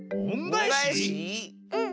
うん。